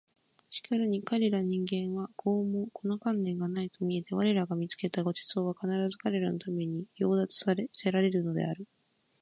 しかるに彼等人間は毫もこの観念がないと見えて我等が見付けた御馳走は必ず彼等のために掠奪せらるるのである